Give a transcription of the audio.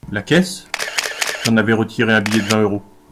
La caisse ? J’en avais retiré un billet de vingt euros.